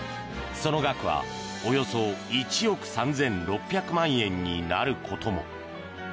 その額はおよそ１億３６００万円になることも。